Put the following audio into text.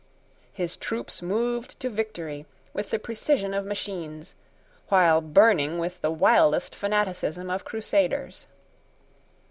His troops moved to victory with the precision of machines, while burning with the wildest fanaticism of Crusaders.